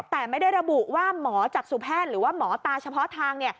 แต่ไม่ได้ระบุว่าหมอจักษุแพทย์หรือว่าหมอตาเฉพาะทาง